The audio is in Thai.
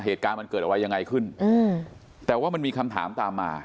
เหตุการณ์มันเกิดอะไรยังไงขึ้นอืมแต่ว่ามันมีคำถามตามมา